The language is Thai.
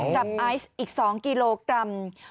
ไอซ์อีก๒กิโลกรัม